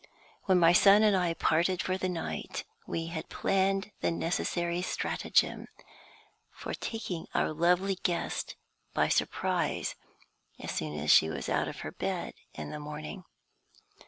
When my son and I parted for the night, we had planned the necessary stratagem for taking our lovely guest by surprise as soon as she was out of her bed in the morning.